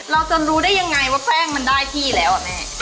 เราจะรู้ได้ยังไงว่าแป้งมันได้ที่แล้วอ่ะแม่